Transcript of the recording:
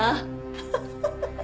ハハハハッ！